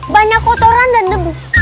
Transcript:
banyak kotoran dan debu